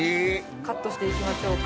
カットして行きましょうか。